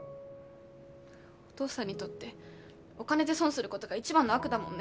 お父さんにとってお金で損するごどが一番の悪だもんね。